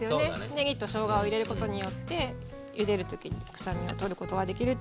ねぎとしょうがを入れることによってゆでる時に臭みを取ることができるっていうのを。